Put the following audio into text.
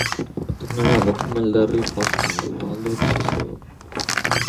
Պտուղները հավաքում են լրիվ հասունանալուց հետո։